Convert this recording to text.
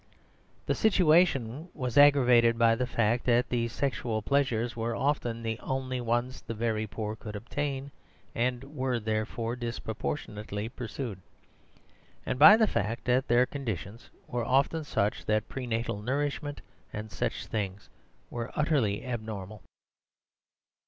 The situation was aggravated by the fact that these sexual pleasures were often the only ones the very poor could obtain, and were, therefore, disproportionately pursued, and by the fact that their conditions were often such that prenatal nourishment and such things were utterly abnormal.